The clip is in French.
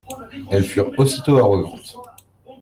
Elles furent aussitôt arrogantes.